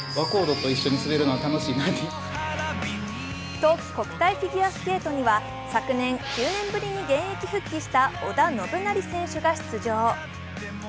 冬季国体フィギュアスケートには昨年９年ぶりに現役復帰した織田信成選手が出場。